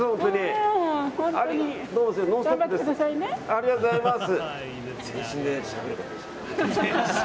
ありがとうございます。